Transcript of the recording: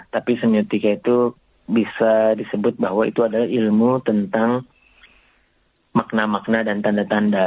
tapi semiotika itu bisa disebut bahwa itu adalah ilmu tentang makna makna dan tanda tanda